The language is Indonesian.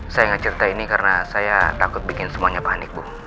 saya nggak cerita ini karena saya takut bikin semuanya panik bu